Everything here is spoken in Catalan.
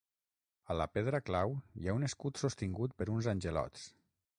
A la pedra clau hi ha un escut sostingut per uns angelots.